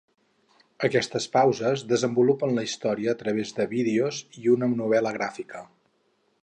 Aquestes pauses desenvolupen la història a través de vídeos i una novel·la gràfica.